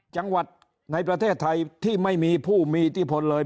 จังหวัดในประเทศไทยที่ไม่มีผู้มีอิทธิพลเลย